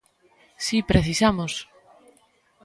Si precisamos!